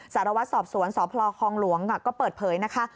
สารวัตรสอบสวนสพคองหลวงก็เปิดเผยนะคะ